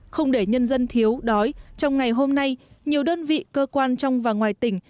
không để nhân dân thiếu đói trong ngày hôm nay nhiều đơn vị cơ quan trong và ngoài tỉnh